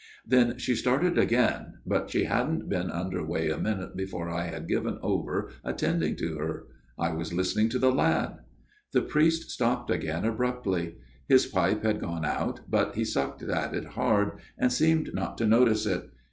" Then she started again, but she hadn't been under way a minute before I had given over attending to her. I was listening to the lad." The priest stopped again abruptly. His pipe had gone out, but he sucked at it hard and seemed not to notice it.